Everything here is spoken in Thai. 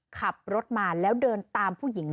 ขับรถมาแล้วเดินตามผู้หญิง